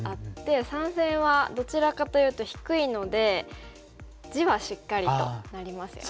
三線はどちらかというと低いので地はしっかりとなりますよね。